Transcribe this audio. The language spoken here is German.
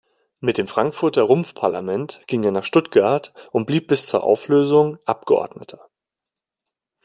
Mit dem Frankfurter „Rumpfparlament“ ging er nach Stuttgart und blieb bis zur Auflösung Abgeordneter.